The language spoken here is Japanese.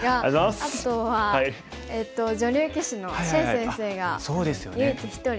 あとは女流棋士の謝先生が唯一一人。